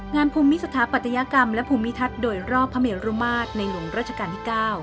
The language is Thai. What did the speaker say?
ภูมิสถาปัตยกรรมและภูมิทัศน์โดยรอบพระเมรุมาตรในหลวงราชการที่๙